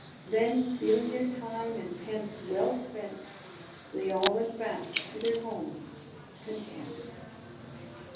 Then feeling their time and pence well spent, They all went back to their homes content.